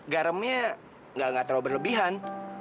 garamnya nggak terlalu berlebihan